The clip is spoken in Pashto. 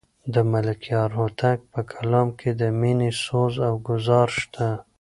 د ملکیار هوتک په کلام کې د مینې سوز او ګداز شته.